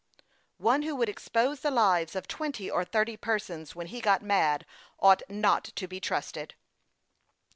" One who would expose the lives of twenty or thirty persons when he got mad ought not to be trusted."